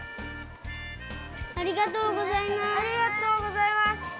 ありがとうございます。